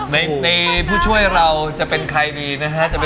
ในผู้ช่วยเราจะเป็นใครดีนะฮะ